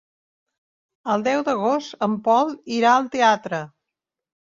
El deu d'agost en Pol irà al teatre.